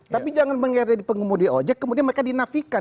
tapi jangan menjadi pengemudi objek kemudian mereka dinafikan